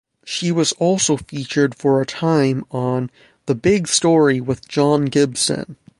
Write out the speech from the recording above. She was also featured for a time on "The Big Story with John Gibson".